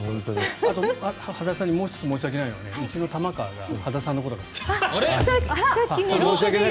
あともう１つ申し訳ないのがうちの玉川が羽田さんのことが好きで。